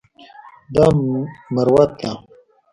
دا مروت ده.